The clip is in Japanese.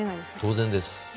当然です。